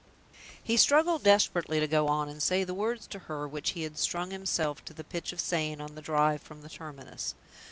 He struggled desperately to go on and say the words to her which he had strung himself to the pitch of saying on the drive from the terminus.